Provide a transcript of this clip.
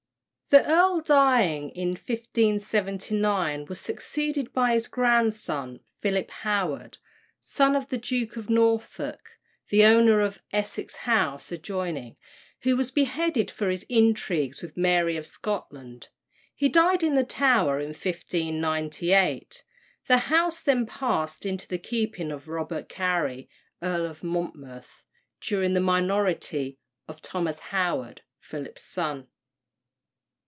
The earl dying in 1579, was succeeded by his grandson, Philip Howard, son of the Duke of Norfolk, the owner of Essex House adjoining, who was beheaded for his intrigues with Mary of Scotland. He died in the Tower in 1598. The house then passed into the keeping of Robert Cary, Earl of Monmouth, during the minority of Thomas Howard, Philip's son.